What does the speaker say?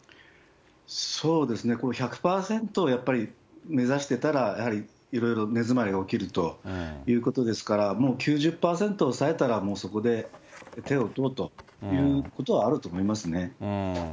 そうですね、この１００％をやっぱり目指してたら、やはりいろいろ目詰まりが起きるということですから、もう９０％抑えたらもうそこで手を打とうということはあると思いますね。